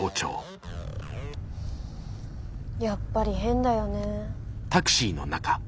やっぱり変だよね。